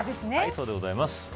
そうでございます。